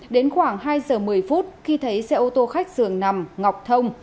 đến khoảng hai giờ một mươi phút khi thấy xe ô tô khách dường nằm ngọc thông